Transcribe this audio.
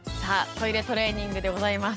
「トイレトレーニング」でございます。